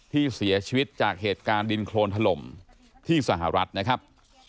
ที่เสียชีวิตจากเหตุการณ์ดินโครนถล่มที่สหรัฐนะครับ